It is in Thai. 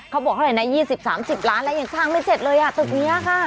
เขาบอกเท่าไหร่นะ๒๐๓๐ล้านแล้วยังสร้างไม่เสร็จเลยอ่ะตึกนี้ค่ะ